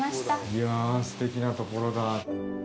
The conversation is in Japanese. いや、すてきなところだ。